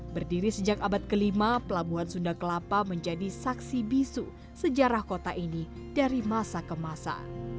berdiri sejak abad kelima pelabuhan sunda kelapa menjadi saksi bisu sejarah kota ini dari masa ke masa